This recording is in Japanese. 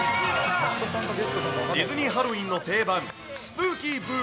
ディズニーハロウィーンの定番、スプーキーＢｏｏ！